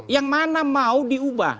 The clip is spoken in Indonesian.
yang mana mau diubah